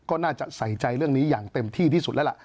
ก็น่าจะใส่ใจเรื่องนี้อย่างเต็มที่ที่สุดแล้วล่ะ